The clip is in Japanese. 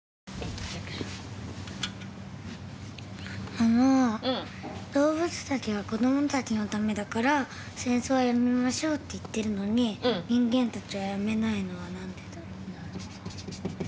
あの動物たちは「子どもたちのためだから戦争はやめましょう」って言ってるのに人間たちはやめないのは何でだろう。